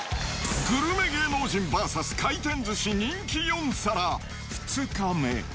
グルメ芸能人ＶＳ回転寿司、人気４皿、２日目。